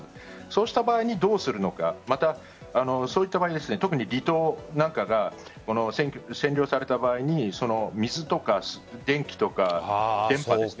そうした場合どうするのかまた、そういった場合に特に離島なんかが占領された場合に水とか電気とか電波です。